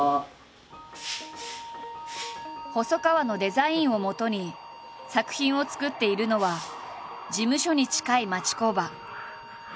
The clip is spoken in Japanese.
細川のデザインをもとに作品を作っているのは事務所に近い町工場。